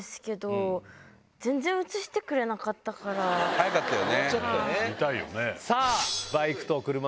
早かったよね。